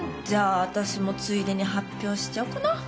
じゃあ私もついでに発表しちゃおっかな。